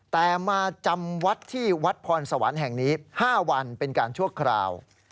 แต่มาจำวัดที่วัดพรสวรรค์แห่งนี้๕วันเป็นการชั่วคราว